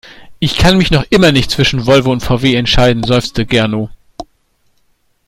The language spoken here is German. Ich kann mich noch immer nicht zwischen Volvo und VW entscheiden, seufzt Gernot.